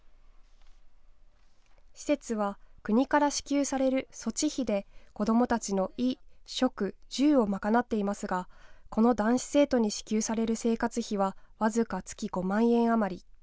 施設は、国から支給される「措置費」で子どもたちの衣食住を賄っていますがこの男子生徒に支給される生活費は、僅か月５万円余り。